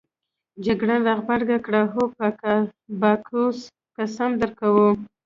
جګړن راغبرګه کړه: هو په باکوس قسم درکوو.